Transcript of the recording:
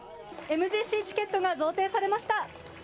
ＭＧＣチケットが贈呈されました。